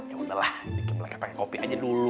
ya udahlah bikin melek pakai kopi aja dulu